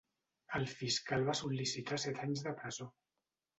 El fiscal va sol·licitar set anys de presó.